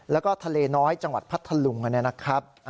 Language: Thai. แล้วก็ทะเลน้อยจังหวัดพัทธลุงนะครับ